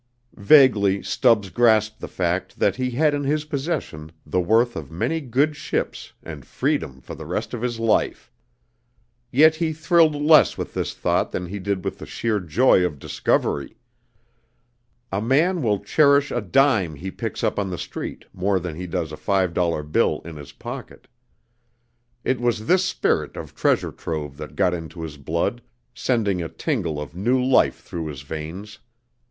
Vaguely Stubbs grasped the fact that he had in his possession the worth of many good ships and freedom for the rest of his life. Yet he thrilled less with this thought than he did with the sheer joy of discovery. A man will cherish a dime he picks up on the street more than he does a five dollar bill in his pocket. It was this spirit of treasure trove that got into his blood, sending a tingle of new life through his veins.